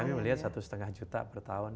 lumayan ya kami melihat satu lima juta per tahun